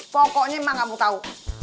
pokoknya emak gak mau tau